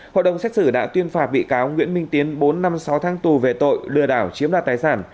hội đồng xét xử đã tuyên phạt bị cáo nguyễn minh tiến bốn năm sáu tháng tù về tội lừa đảo chiếm đoạt tài sản